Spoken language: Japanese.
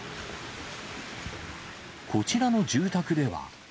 こちらの住宅では。